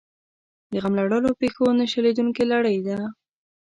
د غم لړلو پېښو نه شلېدونکې لړۍ ده.